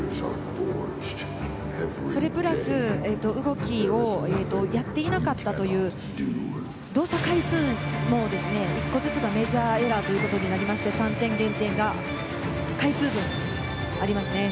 それプラス動きをやっていなかったという動作回数も１個ずつがメジャーエラーとなりまして３点減点が回数分ありますね。